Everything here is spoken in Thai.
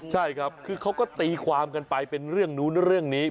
ใช่ครับคือเขาก็ตีความกันไปเป็นเรื่องนู้นเรื่องนี้